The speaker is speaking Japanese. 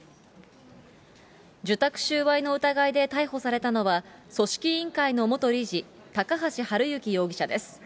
受託収賄の疑いで逮捕されたのは、組織委員会の元理事、高橋治之容疑者です。